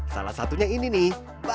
salah satunya ini nih